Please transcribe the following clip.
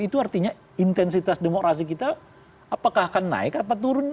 itu artinya intensitas demokrasi kita apakah akan naik atau turun